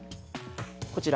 こちら。